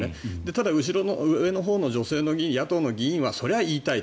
ただ、上のほうの女性の野党の議員はそれは言いたい。